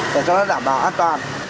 để cho nó đảm bảo an toàn